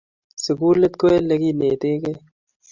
sukulit ko lekinetekei